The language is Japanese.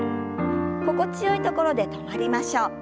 心地よいところで止まりましょう。